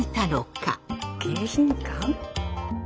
迎賓館？